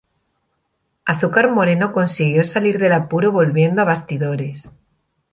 Azúcar Moreno consiguió salir del apuro volviendo a bastidores.